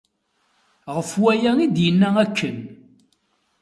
Ɣef waya i d-yenna akken.